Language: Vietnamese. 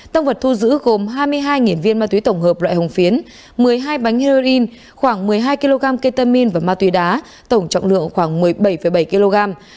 tông vật thu giữ gồm hai mươi hai viên ma túy tổng hợp loại hồng phiến một mươi hai bánh heroin khoảng một mươi hai kg ketamin và ma túy đá tổng trọng lượng khoảng một mươi bảy bảy kg